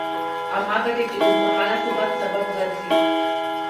عامه ګټې د اوږدمهاله ثبات سبب ګرځي.